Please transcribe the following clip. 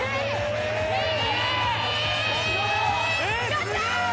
やった！